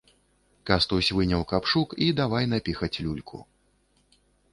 Кастусь выняў капшук і давай напіхаць люльку.